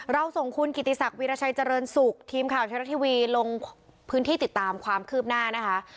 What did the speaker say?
ส่งคุณกิติศักดิราชัยเจริญสุขทีมข่าวไทยรัฐทีวีลงพื้นที่ติดตามความคืบหน้านะคะ